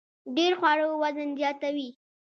ډیر خواړه وزن زیاتوي